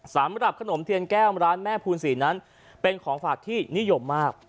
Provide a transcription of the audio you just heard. สำหรับขนมเทียนแก้วร้านแม่ภูนศรีนั้นเป็นของฝากที่นิยมมาก